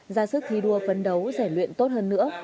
gia sức thi đua phân đấu rẻ luyện tốt hơn nữa